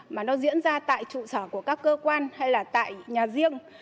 mà nó diễn ra tại trụ sở của các cơ quan hay là tại nhà riêng